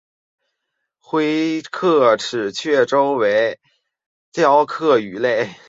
灰刻齿雀鲷为雀鲷科刻齿雀鲷属的鱼类。